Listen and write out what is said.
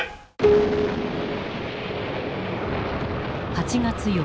８月４日。